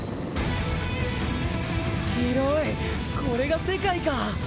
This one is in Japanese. これが世界か！